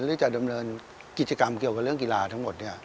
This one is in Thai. ที่จะดำเนินกิจกรรมเกี่ยวกับเรื่องกีฬาทั้งหมด